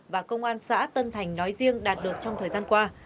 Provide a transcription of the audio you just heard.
và công an xã tân thành nói riêng đạt được trong thời gian qua